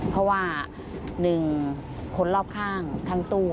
เพราะว่า๑คนรอบข้างทั้งตู้